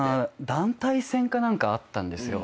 団体戦か何かあったんですよ。